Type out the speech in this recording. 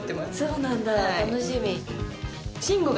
そうなんだ楽しみ。